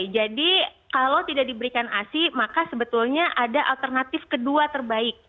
jadi kalau tidak diberikan asi maka sebetulnya ada alternatif kedua terbaik